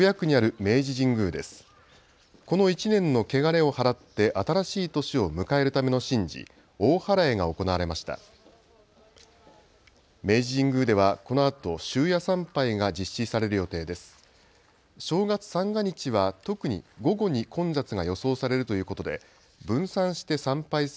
明治神宮ではこのあと終夜参拝が実施される予定です。